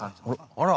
あら！